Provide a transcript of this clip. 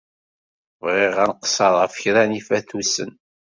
Bɣiɣ ad nqeṣṣer ɣef kra n yifatusen.